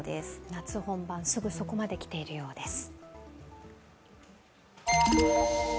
夏本番、すぐそこまで来ているようです。